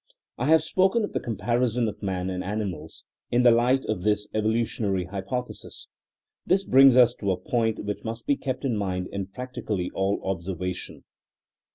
I have spoken of the comparison of man and animals *4n the light of this (evolutionary) hypothesis. This brings us to a point which must be kept in mind in practically all observa tion.